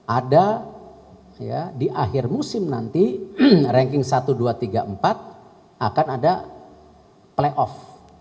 ada di akhir musim nanti ranking satu dua tiga empat akan ada playoff